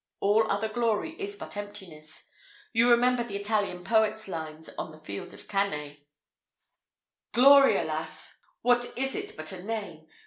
All other glory is but emptiness. You remember the Italian poet's lines on the field of Cannæ. I. "Glory! alas! what is it but a name?